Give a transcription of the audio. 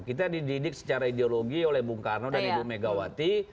kita dididik secara ideologi oleh bung karno dan ibu megawati